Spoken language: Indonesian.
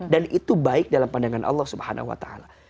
dan itu baik dalam pandangan allah swt